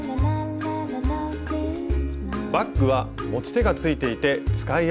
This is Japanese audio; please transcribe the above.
バッグは持ち手がついていて使いやすそうです。